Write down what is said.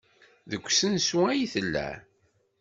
Deg usensu ay tella?